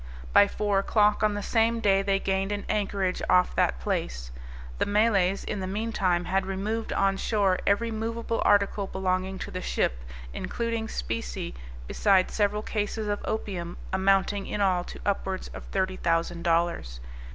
By four o'clock on the same day they gained an anchorage off that place; the Malays, in the meantime, had removed on shore every moveable article belonging to the ship, including specie, besides several cases of opium, amounting in all to upwards of thirty thousand dollars.